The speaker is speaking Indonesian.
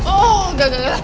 oh gak gak gak